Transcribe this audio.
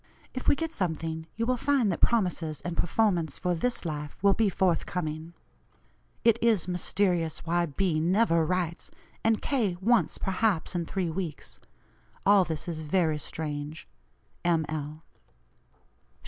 If we get something, you will find that promises and performance for this life will be forth coming. It is mysterious why B. NEVER writes, and K. once, perhaps, in three weeks. All this is very strange. "M. L."